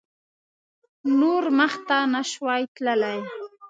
نور مخته نه شوای تللای.